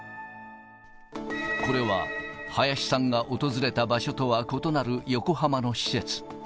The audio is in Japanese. これは、林さんが訪れた場所とは異なる横浜の施設。